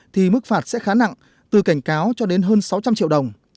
thì mức phạt sẽ khá nặng từ cảnh cáo cho đến hơn sáu trăm linh triệu đồng